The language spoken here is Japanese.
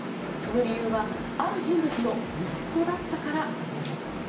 その理由はある人物の息子だったからなんです。